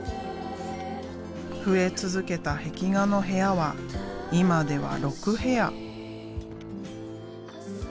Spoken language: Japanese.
増え続けた壁画の部屋は今では６部屋。